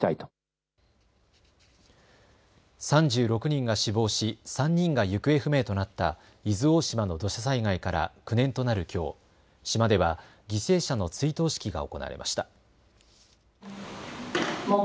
３６人が死亡し３人が行方不明となった伊豆大島の土砂災害から９年となるきょう、島では犠牲者の追悼式が行われました。